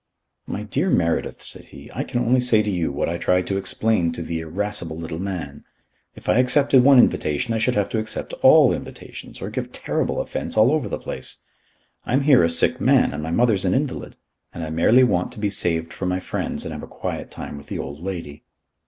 "My dear Meredyth," said he. "I can only say to you what I tried to explain to the irascible little man. If I accepted one invitation, I should have to accept all invitations or give terrible offence all over the place. I'm here a sick man and my mother's an invalid. And I merely want to be saved from my friends and have a quiet time with the old lady.